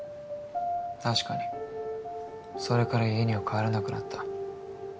確かにそれから家には帰らなくなった。